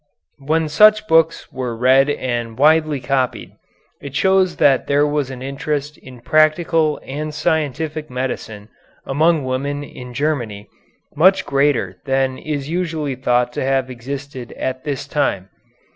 When such books were read and widely copied, it shows that there was an interest in practical and scientific medicine among women in Germany much greater than is usually thought to have existed at this time.